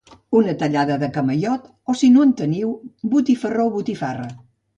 una tallada de camaiot, o si no en teniu, botifarró o botifarra